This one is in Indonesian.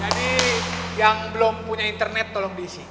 jadi yang belum punya internet tolong diisi